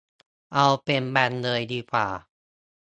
เอาเป็นแบนเลยดีกว่า